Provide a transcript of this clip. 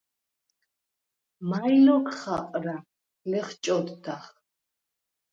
“მაჲ ლოქ ხაყრა?” ლეხჭოდდახ.